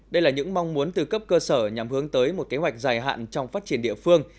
đây là những mong muốn từ cấp cơ sở nhằm hướng tới một kế hoạch dài hạn trong phát triển địa phương